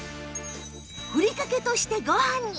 ふりかけとしてご飯に